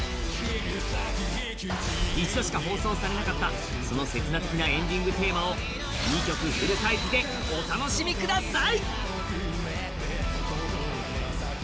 １度しか放送されなかったその刹那的なエンディングテーマを２曲フルサイズでお楽しみください！